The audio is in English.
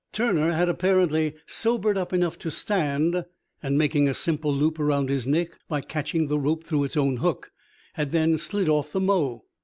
Turner had apparently sobered up enough to stand, and, making a simple loop around his neck by catching the rope through its own hook, had then slid off the mow.